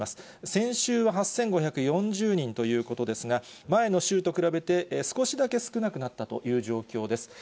先週は８５４０人ということですが、前の週と比べて、少しだけ少なくなったという状況です。